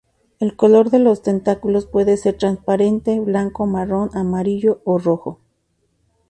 El color de los tentáculos puede ser transparente, blanco, marrón, amarillo o rojo.